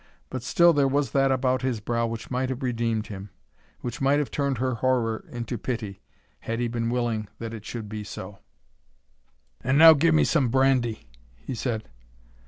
But still there was that about his brow which might have redeemed him,—which might have turned her horror into pity, had he been willing that it should be so. "And now give me some brandy," he said.